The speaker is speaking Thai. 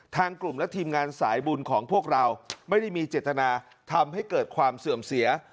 ทางกลุ่มและทีมงานสายบุญของพวกเราไม่ได้มีเจตนาทำให้เกิดความเสื่อมเสีย